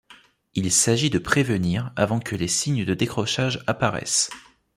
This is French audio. Il s’agit de prévenir avant que les signes de décrochage apparaissent.